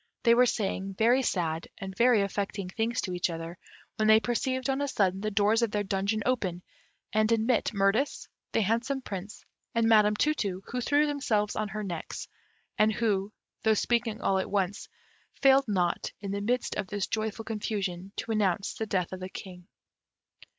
They were saying very sad and very affecting things to each other, when they perceived on a sudden the doors of their dungeon open and admit Mirtis, the handsome Prince, and Madam Tu tu, who threw themselves on their necks, and who, though speaking all at once, failed not, in the midst of this joyful confusion, to announce the death of the King.